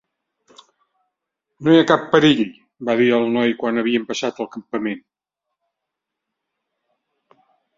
"No hi ha cap perill", va dir el noi quan havien passat el campament.